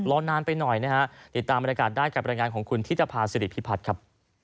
รอนานไปหน่อยนะฮะติดตามบรรยากาศได้กับรายงานของคุณธิตภาษิริพิพัฒน์ครับ